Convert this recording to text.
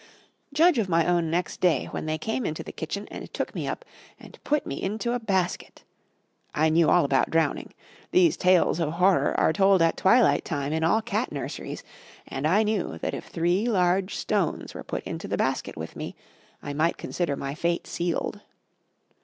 Judge of my own next day when they came into the kitchen and took me up and put me into a basket. I knew all about drowning. These tales of horror are told at twilight time in all cat nurseries, and I knew that if three large stones were put into the basket with me, I might consider my fate sealed.